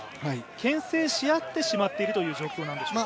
けん制し合ってしまってるという状況なんでしょうか。